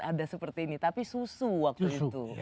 ada seperti ini tapi susu waktu itu